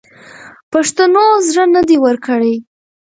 پښتنو زړه نه دی ورکړی.